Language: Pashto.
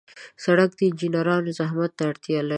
سړک د انجنیرانو زحمت ته اړتیا لري.